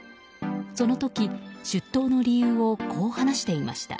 その時、出頭の理由をこう話していました。